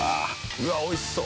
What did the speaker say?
うわっおいしそう。